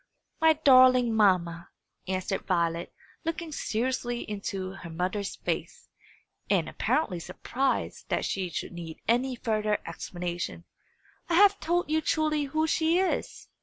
"My darling mamma," answered Violet, looking seriously into her mother's face, and apparently surprised that she should need any further explanation, "I have told you truly who she is.